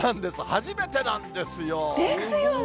初めてなんでですよね。